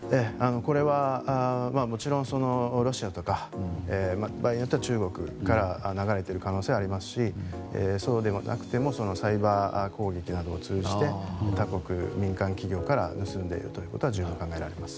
これはもちろんロシアとか場合によっては中国から流れている可能性がありますしそうでなくてもサイバー攻撃などを通じて他国、民間企業から盗んでいることは十分考えられます。